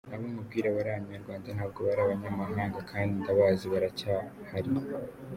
Abo nkubwira bari Abanyarwanda ntabwo bari abanyamahanga , kandi ndabazi baracyahari.